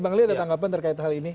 bang ali ada tanggapan terkait hal ini